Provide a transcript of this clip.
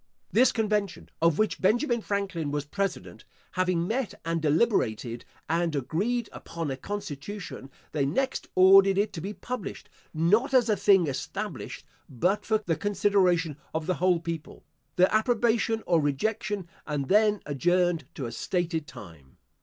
This convention, of which Benjamin Franklin was president, having met and deliberated, and agreed upon a constitution, they next ordered it to be published, not as a thing established, but for the consideration of the whole people, their approbation or rejection, and then adjourned to a stated time.